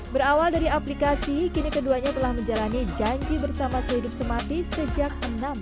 berawal dari aplikasi kini keduanya telah menjalani janji bersama sehidup semati sejak enam tahun silam